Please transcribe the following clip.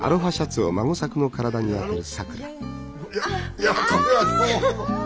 いやこれはどうも。